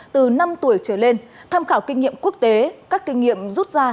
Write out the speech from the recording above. từ năm tuổi trở lên tham khảo kinh nghiệm quốc tế các kinh nghiệm rút ra